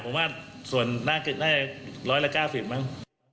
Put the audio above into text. ผมว่าส่วนหน้าเกิดได้ร้อยละ๙๐บาทมั้ง